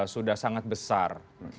sudah sangat besar